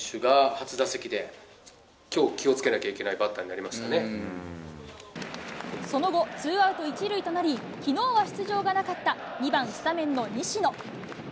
きょう、気をつけなきゃいけその後、ツーアウト一塁となり、きのうは出場がなかった、２番スタメンの西野。